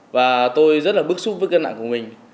và tôi rất là bức xúc với cân nặng của mình